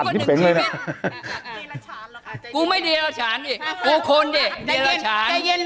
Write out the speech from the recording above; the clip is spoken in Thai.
สุดเลยไปเลยฉานน่ะไปเลยแค่ฉานไปเลย